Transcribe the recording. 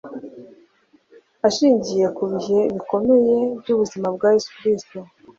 ashingiye ku bihe bikomeye by’ubuzima bwa yezu kristu